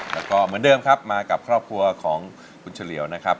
แล้วก็เหมือนเดิมครับมากับครอบครัวของคุณเฉลี่ยวนะครับ